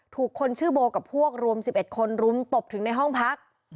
ถูกคนชื่อโบกับพวกรวม๑๑คนรุมตบถึงในห้องพัก